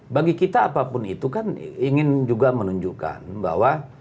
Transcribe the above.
bagi kita apapun itu kan ingin juga menunjukkan bahwa